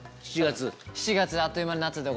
７月あっという間に夏でございます。